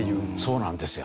そうなんですよ。